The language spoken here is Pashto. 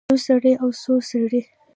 یو سړی او څو سړي